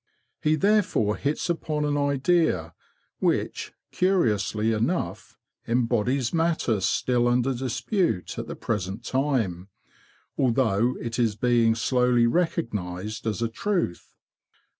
He therefore hits upon an idea which, curiously enough, embodies matter still under dispute at the present time, although it is being slowly recognised as a truth.